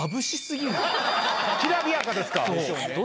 きらびやかですか。